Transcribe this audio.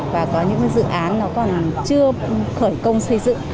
và có những dự án nó còn chưa khởi công xây dựng